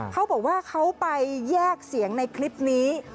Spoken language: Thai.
เขาบอกว่าเขาไปแยกเสียงในคลิปนี้